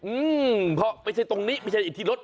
อื้อเพราะไม่ใช่ตรงนี้ไม่ใช่อีกทีลด